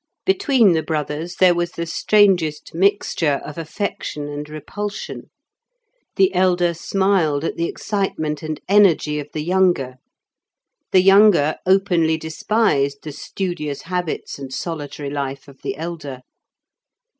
Between the brothers there was the strangest mixture of affection and repulsion. The elder smiled at the excitement and energy of the younger; the younger openly despised the studious habits and solitary life of the elder.